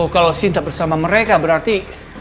kalau cinta bersama mereka berarti